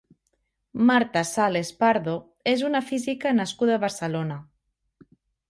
Marta Sales-Pardo és una física nascuda a Barcelona.